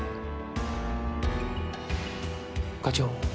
課長。